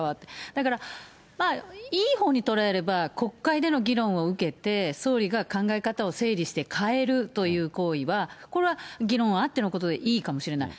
だから、まあ、いいほうに捉えれば、国会での議論を受けて、総理が考え方を整理して変えるという行為は、これは議論あってのことでいいかもしれない。